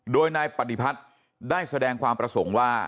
โดยนายปฏิพัฒน์ได้แสดงความประสงค์ว่า